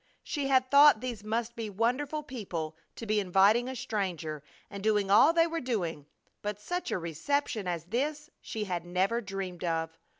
She had thought these must be wonderful people to be inviting a stranger and doing all they were doing, but such a reception as this she had never dreamed of.